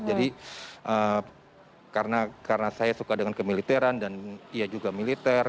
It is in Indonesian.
jadi karena saya suka dengan kemiliteran dan ia juga militer